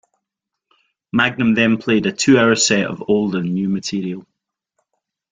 Magnum then played a two-hour set of old and new material.